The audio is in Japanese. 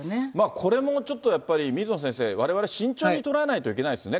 これもちょっと、やっぱり水野先生、われわれ、慎重に捉えないといけないですね。